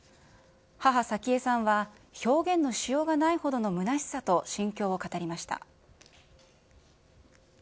母、早紀江さんは、表現のしようがないほどの虚しさと、心境を語りました。